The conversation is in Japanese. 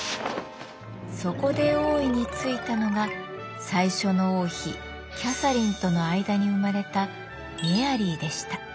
そこで王位に就いたのが最初の王妃キャサリンとの間に生まれたメアリーでした。